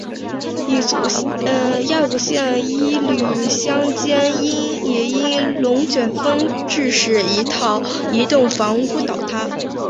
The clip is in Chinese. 亚祖县伊甸乡间也因龙卷风致使一套移动房屋倒塌。